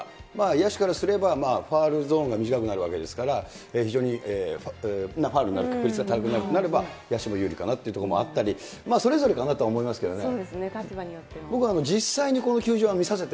野手からすればファウルゾーンが短くなるわけですから、非常に、ファウルになる確率が高くなるとなれば、野球にとっても有利かなとあったり、それぞれかなと思いますけどね。